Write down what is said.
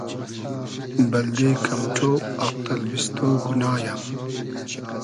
بئلدې کئم ݖۉ آق تئلبیستۉ گونا یۂ